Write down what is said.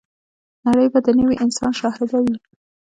نړۍ به د نوي انسان شاهده وي.